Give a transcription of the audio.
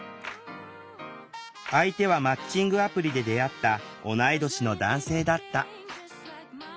相手はマッチングアプリで出会った同い年の男性だった。